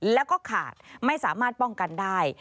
แล้วก็ขาดไม่สามารถป้องกันได้